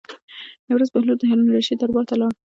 یوه ورځ بهلول د هارون الرشید دربار ته لاړ.